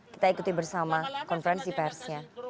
kita ikuti bersama konferensi persnya